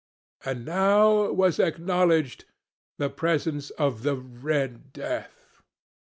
And now was acknowledged the presence of the Red Death.